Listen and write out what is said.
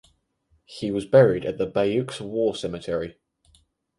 He was buried at the Bayeux War Cemetery.